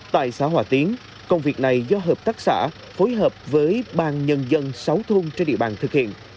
tại xã hòa tiến công việc này do hợp tác xã phối hợp với ban nhân dân sáu thôn trên địa bàn thực hiện